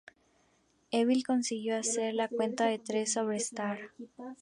Evil consiguió hacer la cuenta de tres sobre Starr.